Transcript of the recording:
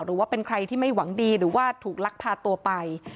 หรือว่าเป็นใครที่ไม่หวังดีหรือว่าถูกลักพาตัวไป